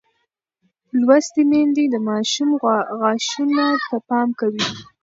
لوستې میندې د ماشوم غاښونو ته پام کوي.